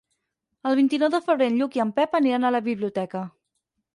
El vint-i-nou de febrer en Lluc i en Pep aniran a la biblioteca.